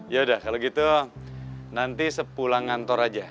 yaudah kalo gitu nanti sepulang ngantor aja